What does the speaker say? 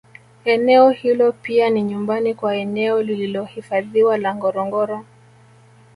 Eneo hilo pia ni nyumbani kwa eneo lililohifadhiwa la Ngorongoro